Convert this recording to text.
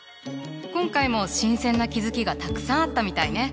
今回も新鮮な気付きがたくさんあったみたいね。